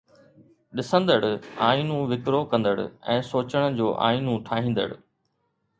ڏسندڙ آئينو وڪرو ڪندڙ ۽ سوچڻ جو آئينو ٺاهيندڙ